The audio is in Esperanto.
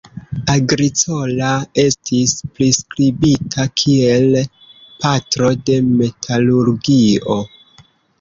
Agricola estis priskribita kiel "patro de metalurgio".